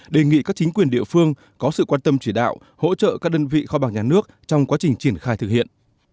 đề nghị các chính quyền địa phương có sự quan tâm chỉ đạo hỗ trợ các đơn vị kho bạc nhà nước trong quá trình triển khai thực hiện